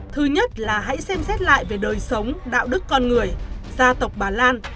thứ nhất là hãy xem xét lại về đời sống đạo đức con người gia tộc bà lan